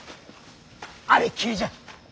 あれっきりじゃ。